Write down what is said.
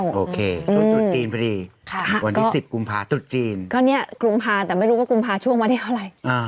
ส่วนตรุษจีนพอดีวันที่๑๐กุมภาตรุษจีนกุมภาแต่ไม่รู้ว่ากุมภาช่วงมาที่อะไร